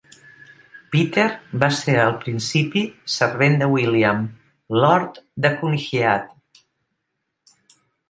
Peter va ser al principi servent de William, Lord de Cunhiat.